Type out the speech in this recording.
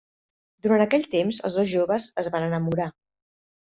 Durant aquell temps els dos joves es van enamorar.